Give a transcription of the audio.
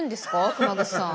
熊楠さん。